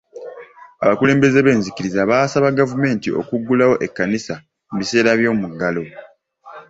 Abakulembeze b'enzikiriza baasaba gavumenti okuggulawo ekkanisa mu biseera by'omuggalo.